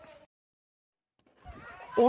ข้างหลัง